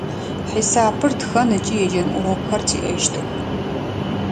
Хьисапыр, тхэн ыкӏи еджэн урокхэр тиӏэщтых.